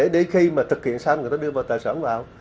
để khi mà thực hiện xong người ta đưa vào tài sản vào